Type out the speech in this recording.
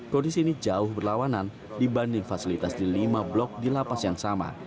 kondisi ini jauh berlawanan dibanding fasilitas di lima blok di lapas yang sama